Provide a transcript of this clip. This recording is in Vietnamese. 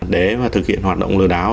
để thực hiện hoạt động lừa đảo